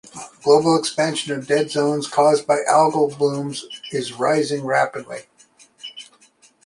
Global expansion of dead zones caused by algal blooms is rising rapidly.